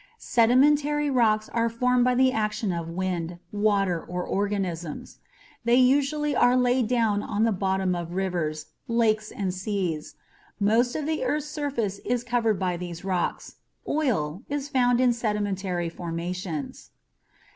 Sedimentary rocks are formed by the action of wind, water, or organisms. They usually are laid down on the bottom of rivers, lakes and seas. Most of the earth's surface is covered by these rocks. Oil is found in sedimentary formations.